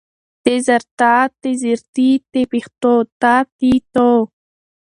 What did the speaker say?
ت زر تا، ت زېر تي، ت پېښ تو، تا تي تو